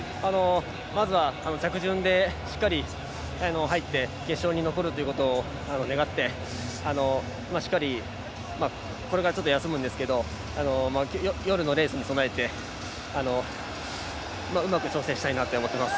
まずは着順でしっかり入って決勝に残るということを願ってこれからちょっと休むんですけど夜のレースに備えてうまく調整したいなと思ってます。